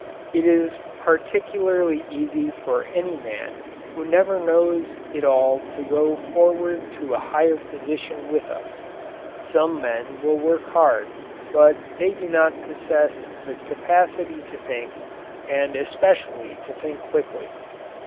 It is particularly easy for any man who never knows it all to go forward to a higher position with us. Some men will work hard but they do not possess the capacity to think and especially to think quickly.